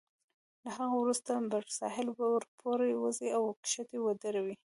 له هغه وروسته پر ساحل ورپورې وزئ او کښتۍ ودروئ.